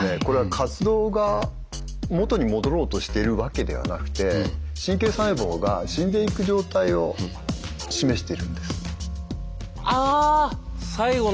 これは活動が元に戻ろうとしてるわけではなくて神経細胞が死んでいく状態を示しているんです。